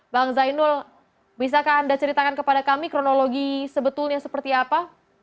bang zainul bisakah anda ceritakan kepada kami kronologi sebetulnya seperti apa